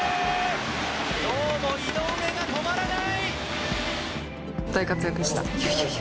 今日も井上が止まらない。